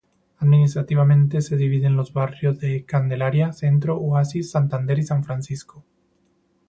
Administrativamente se divide en los barrios de Candelaria, Centro, Oasis, Santander y San Francisco.